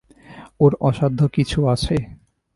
ওর অসাধ্য কিছু আছে?